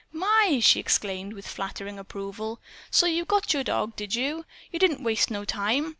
"My!" she exclaimed with flattering approval. "So you got your dog, did you? You didn't waste no time.